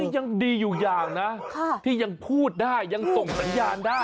ยังดีอยู่อย่างนะที่ยังพูดได้ยังส่งสัญญาณได้